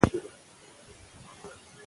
د انټرنیټ کارول د ښوونې کیفیت پیاوړی کوي.